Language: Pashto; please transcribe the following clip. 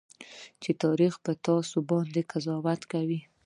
چې تاريخ به تاسو باندې قضاوت کوي.